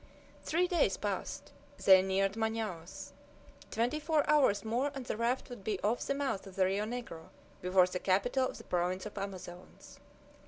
Three days passed. They neared Manaos. Twenty four hours more and the raft would be off the mouth of the Rio Negro, before the capital of the province of Amazones.